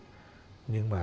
nhưng mà cháu không biết